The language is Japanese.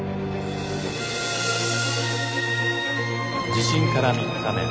「地震から３日目。